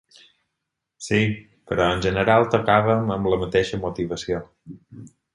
Sí, però en general tocàvem amb la mateixa motivació.